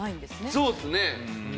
そうっすね。